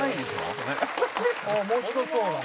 面白そうだね。